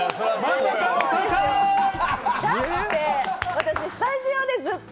私、スタジオでずっと。